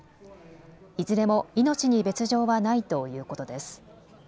いずれも命に別状はないということです。